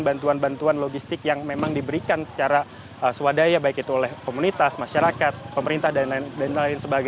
bantuan bantuan logistik yang memang diberikan secara swadaya baik itu oleh komunitas masyarakat pemerintah dan lain sebagainya